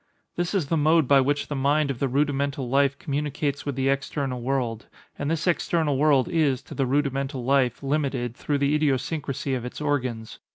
This is the mode by which the mind of the rudimental life communicates with the external world; and this external world is, to the rudimental life, limited, through the idiosyncrasy of its organs.